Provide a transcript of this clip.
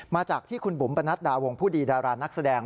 มาจากที่คุณบุ๋มปนัดดาวงผู้ดีดารานักแสดง